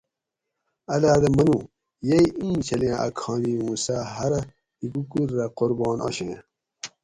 اۤلادہ منو: یئ ایں چھلیں اۤ کہانی اُوں سہ ہرہ حِکوکور رہ قُربان آشیں